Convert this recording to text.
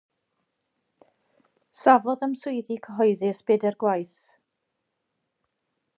Safodd am swyddi cyhoeddus bedair gwaith.